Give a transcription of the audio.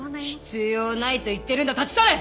必要ないと言ってるんだ立ち去れ！